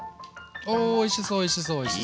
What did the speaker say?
おおいしそうおいしそうおいしそう。